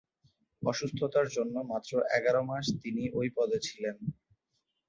অসুস্থতার জন্য মাত্র এগারো মাস তিনি ওই পদে ছিলেন।